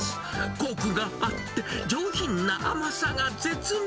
こくがあって、上品な甘さが絶妙。